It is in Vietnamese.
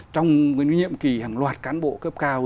trong nhiệm kỳ hàng loạt cán bộ cấp cao